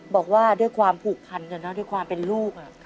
บอกว่าด้วยความผูกพันกันนะด้วยความเป็นลูก